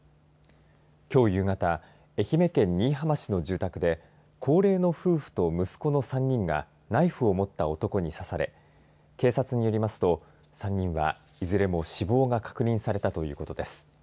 きょう夕方愛媛県新浜市の住宅で高齢の夫婦と息子の３人がナイフを持った男に刺され警察によりますと３人は、いずれも死亡が確認されたということです。